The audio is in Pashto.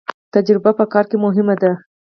تجربه په کار کې مهمه ده